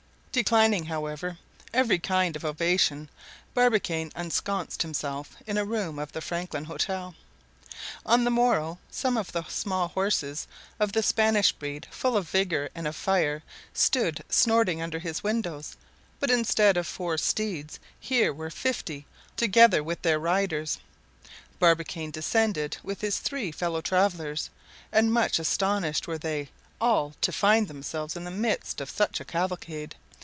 Declining, however, every kind of ovation, Barbicane ensconced himself in a room of the Franklin Hotel. On the morrow some of the small horses of the Spanish breed, full of vigor and of fire, stood snorting under his windows; but instead of four steeds, here were fifty, together with their riders. Barbicane descended with his three fellow travelers; and much astonished were they all to find themselves in the midst of such a cavalcade.